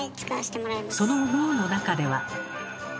その脳の中では。